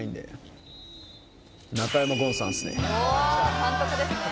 「おお監督ですね！」